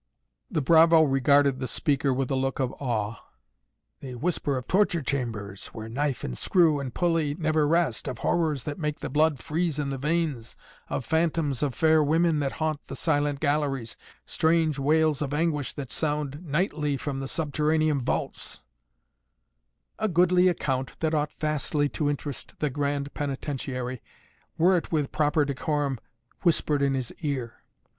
The bravo regarded the speaker with a look of awe. "They whisper of torture chambers, where knife and screw and pulley never rest of horrors that make the blood freeze in the veins of phantoms of fair women that haunt the silent galleries strange wails of anguish that sound nightly from the subterranean vaults " "A goodly account that ought vastly to interest the Grand Penitentiary were it with proper decorum whispered in his ear.